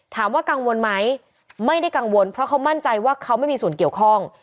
ถามว่ากังวลไหมไม่ได้กังวลเพราะเขามั่นใจว่าเขาไม่มีส่วนเกี่ยวข้อง